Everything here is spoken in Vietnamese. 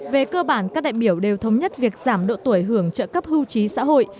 về cơ bản các đại biểu đều thống nhất việc giảm độ tuổi hưởng trợ cấp hưu trí xã hội